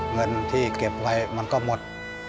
เงินที่เก็บไว้มันก็หมด